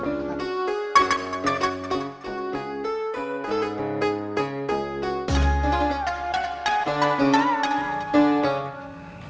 tidak ada anak anaknya